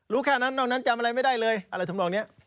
แค่นั้นนอกนั้นจำอะไรไม่ได้เลยอะไรทำนองนี้